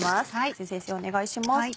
先生お願いします。